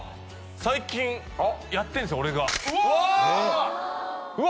最近やってんすよ俺がうわ！うわ！